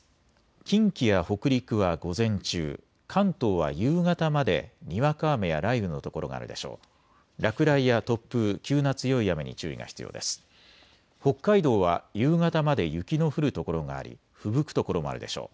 近畿や北陸は午前中、関東は夕方までにわか雨や雷雨の所があるでしょう。